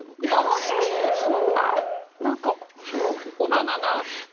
そんな大人な？